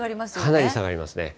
かなり下がりますね。